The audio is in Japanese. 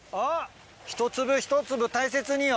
一粒一粒大切によ。